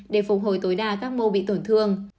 để phục hồi tối đa các mẫu bị tổn thương